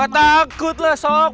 gak takut lah sok